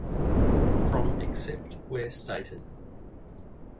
"From except where stated"